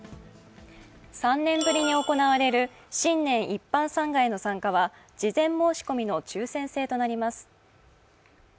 ３年ぶりに行われる新年一般参賀への参加は事前申し込みの抽選制となります。